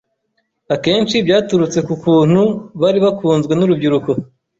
akenshi byaturutse ku kuntu bari bakunzwe n’urubyiruko